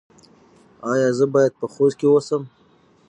ایا زه باید په خوست کې اوسم؟